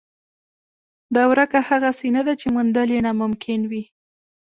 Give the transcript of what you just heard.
دا ورکه هغسې نه ده چې موندل یې ناممکن وي.